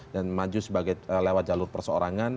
dan maju lewat jalur perseorangan